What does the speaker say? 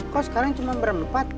kok sekarang cuma berempat